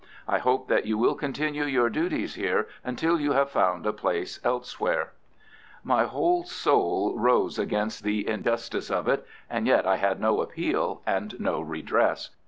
I hope that you will continue your duties here until you have found a place elsewhere." My whole soul rose against the injustice of it, and yet I had no appeal and no redress.